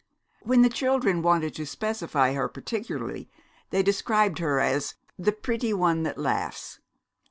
When the children wanted to specify her particularly they described her as "the pretty one that laughs."